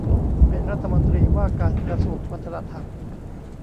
เป็นรัฐมนตรีว่าการกระทรวงวัฒนธรรม